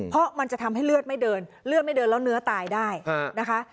เพราะมันจะทำให้เลือดไม่เดินเลือดไม่เดินแล้วเนื้อตายได้นะคะ